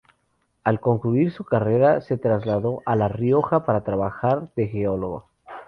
Al concluir su carrera se trasladó a La Rioja para trabajar de geólogo.